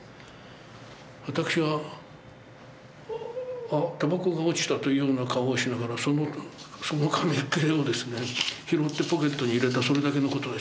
私は「あったばこが落ちた」というような顔をしながらその紙切れをですね拾ってポケットに入れたそれだけの事です。